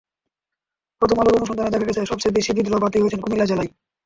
প্রথম আলোর অনুসন্ধানে দেখা গেছে, সবচেয়ে বেশি বিদ্রোহী প্রার্থী হয়েছেন কুমিল্লা জেলায়।